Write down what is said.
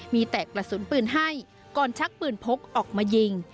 มีแตกกระสุนปืนให้ก่อนชักปืนพกออกมายิง